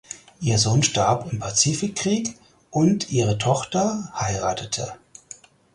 Ihr Sohn starb im Pazifikkrieg und ihre Tochter heiratete.